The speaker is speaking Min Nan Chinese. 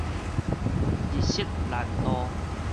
日食難度